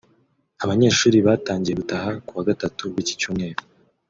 Abanyeshuri batangiye gutaha ku wa Gatatu w’iki cyumweru